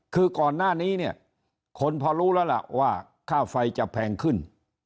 คือก่อนหน้านี้เนี่ยคนพอรู้แล้วล่ะว่าค่าไฟจะแพงขึ้น